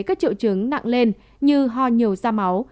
các triệu chứng nặng lên như ho nhiều da máu